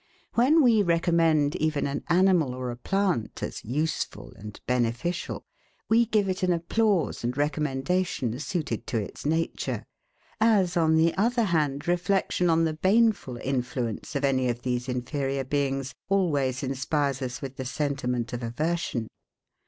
When we recommend even an animal or a plant as USEFUL and BENEFICIAL, we give it an applause and recommendation suited to its nature. As, on the other hand, reflection on the baneful influence of any of these inferior beings always inspires us with the sentiment of aversion.